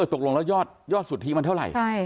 ตกลงแล้วยอดยอดสุทธิบันเท่าไร